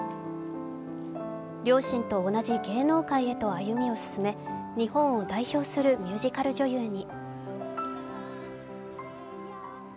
両親と同じ芸能界へと歩みを進め日本を代表するミュージカル女優に。